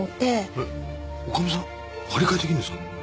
えっ女将さん張り替え出来るんですか？